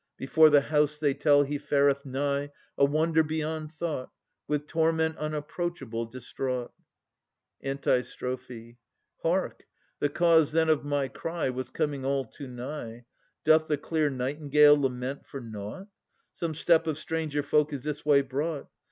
Before the house, they tell, he fareth nigh, A wonder beyond thought, With torment unapproachable distraught. Hark! ... II 2 The cause then of my cry Was coming all too nigh: (Doth the clear nightingale lament for nought?) Some step of stranger folk is this way brought.